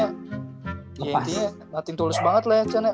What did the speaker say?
ya intinya nothing to lose banget lah ya can ya